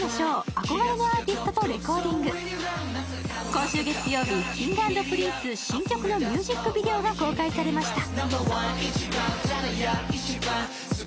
今週月曜日、Ｋｉｎｇ＆Ｐｒｉｎｃｅ、新曲のミュージックビデオが公開されました。